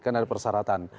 kan ada persyaratan